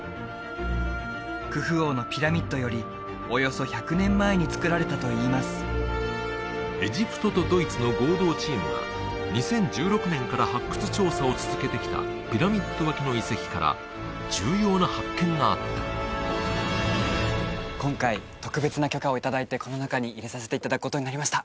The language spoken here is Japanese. クフ王のピラミッドよりおよそ１００年前に造られたといいますエジプトとドイツの合同チームが２０１６年から発掘調査を続けてきたピラミッド脇の遺跡から重要な発見があった今回特別な許可をいただいてこの中に入れさせていただくことになりました